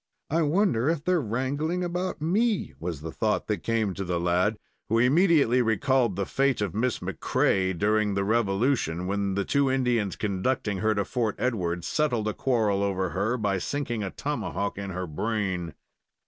"I wonder if they're wrangling about me?" was the thought that came to the lad, who immediately recalled the fate of Miss MacCrea during the Revolution, when the two Indians conducting her to Fort Edward settled a quarrel over her by sinking a tomahawk in her brain.